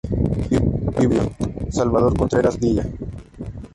Bibliotecario: Salvador Contreras Gila.